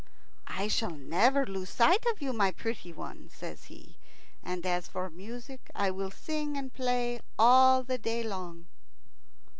"I shall never lose sight of you, my pretty one," says he; "and as for music, I will sing and play all the day long."